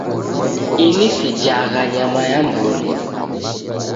Ini sijagha nyama ya mburi